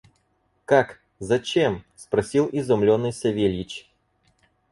«Как! зачем?» – спросил изумленный Савельич.